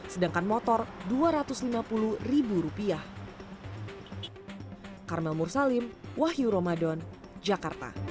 sedangkan motor dua ratus lima puluh ribu rupiah